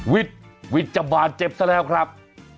วิทย์วิทย์จะบาดเจ็บซะแล้วครับ